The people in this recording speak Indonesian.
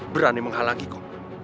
berani menghalangi kau